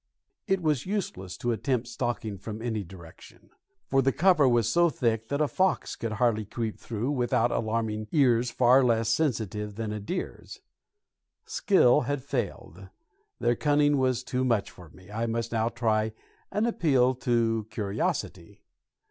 It was useless to attempt stalking from any direction, for the cover was so thick that a fox could hardly creep through without alarming ears far less sensitive than a deer's. Skill had failed; their cunning was too much for me. I must now try an appeal to curiosity.